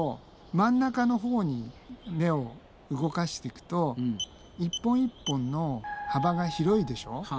真ん中のほうに目を動かしていくと一本一本の幅が広いでしょ。